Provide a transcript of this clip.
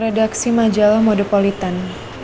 redaksi majalah modepolitan